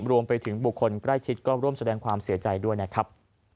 รวมไปถึงบุคคลใกล้ชิดก็ร่วมแสดงความเสียใจด้วยนะครับ